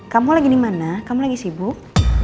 kamu lagi dimana kamu lagi sibuk